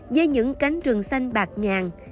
với những cánh trường xanh bạc ngàn